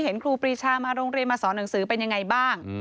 ครูปรีชามาโรงเรียนมาสอนหนังสือเป็นยังไงบ้าง